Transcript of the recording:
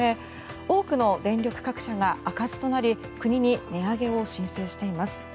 多くの電力各社が赤字となり国に値上げを申請しています。